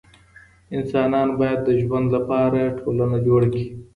انسانان بايد د ژوند لپاره ټولنه جوړ کړي.